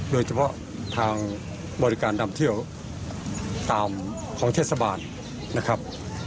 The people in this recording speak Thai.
โดยเฉพาะทางบริการนำเที่ยวตามของเทศบาลนะครับ